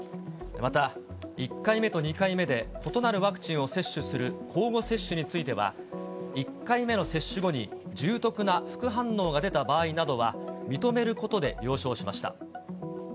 また１回目と２回目で異なるワクチンを接種する交互接種については、１回目の接種後に重篤な副反応が出た場合などは認めることで了承しました。